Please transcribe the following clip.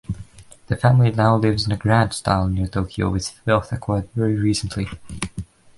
The family now lives in grand style near Tokyo, with wealth acquired very recently.